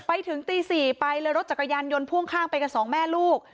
ไปถึงตี๔ไปเลยรถจักรยานยนต์พ่วงข้างไปกันสองแม่ลูก